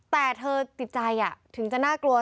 แต่เธอจิตใจถึงจะน่ากลัว